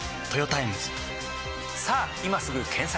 さぁ今すぐ検索！